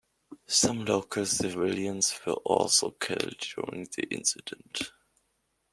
Some local civilians were also killed during the incident.